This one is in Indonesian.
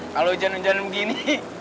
kalau hujan hujan begini